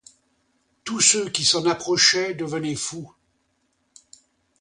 Tous ceux qui s'en approchaient devenaient fous.